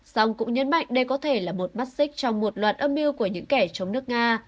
song cũng nhấn mạnh đây có thể là một mắt xích trong một loạt âm mưu của những kẻ chống nước nga